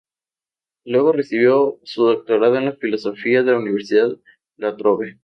Luego recibió su doctorado en filosofía de la Universidad La Trobe.